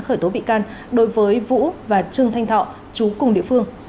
khởi tố bị can đối với vũ và trương thanh thọ chú cùng địa phương